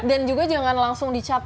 dan juga jangan langsung dicat